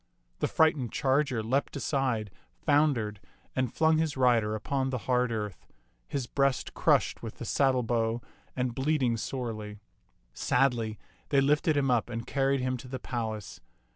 The frightened charger leaped aside, foun dered, and flung his rider upon the hard earth, his breast crushed with the saddlebow and bleeding sorely. Sadly they lifted him up and carried him to the palace.